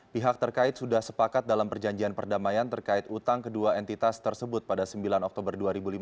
pihak terkait sudah sepakat dalam perjanjian perdamaian terkait utang kedua entitas tersebut pada sembilan oktober dua ribu lima belas